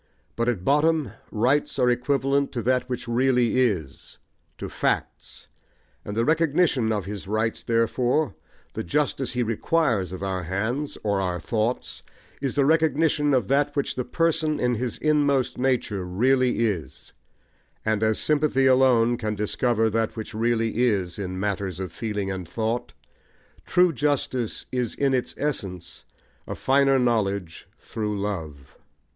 But at bottom rights are equivalent to that which really is, to facts; and the recognition of his rights therefore, the justice he requires of our hands, or our thoughts, is the recognition of that which the person, in his inmost nature, really is; and as sympathy alone can discover that which really is in matters of feeling and thought, true justice is in its essence a finer knowledge through love.